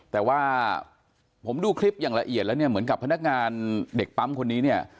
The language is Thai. แต่ว่าผมดูคลิปอย่างละเอียดแล้วเหมือนกับพนักงานเด็กปำคนนี้